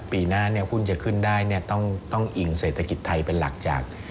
ปีหน้าหุ้นจะขึ้นได้ต้องอิ่งเศรษฐกิจไทยเป็นหลักจาก